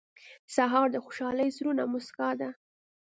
سهار د خوشحال زړونو موسکا ده.